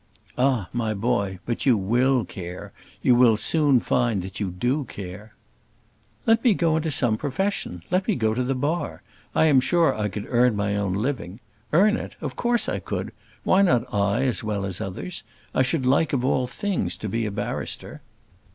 "Ah! my boy; but you will care: you will soon find that you do care." "Let me go into some profession. Let me go to the Bar. I am sure I could earn my own living. Earn it! of course I could, why not I as well as others? I should like of all things to be a barrister."